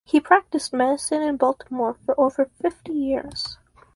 He practiced medicine in Baltimore for over fifty years.